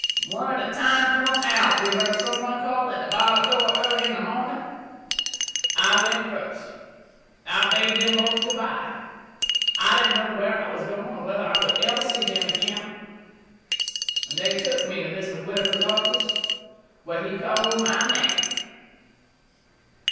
"One at a time, come out," we heard some one call at the barred door early in the morning. I went first. I bade them both good by. I didn't know where I was going or whether I would ever see them again. They took me to Mr. Whittaker's office, where he called my name.